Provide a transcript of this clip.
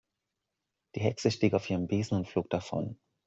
Die Hexe stieg auf ihren Besen und flog davon.